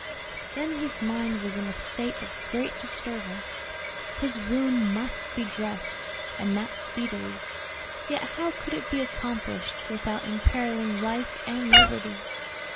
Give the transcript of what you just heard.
Then his mind was in a state of great disturbance, His wound must be dressed, and that speedily; yet how could it be accomplished without imperiling life and liberty?